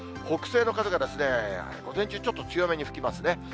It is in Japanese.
北西の風が午前中、ちょっと強めに吹きますね。